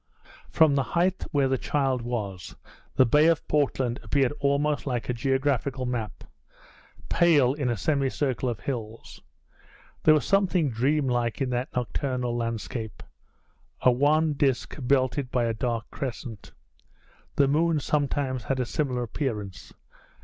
From the height where the child was the bay of Portland appeared almost like a geographical map, pale, in a semicircle of hills. There was something dreamlike in that nocturnal landscape a wan disc belted by a dark crescent. The moon sometimes has a similar appearance.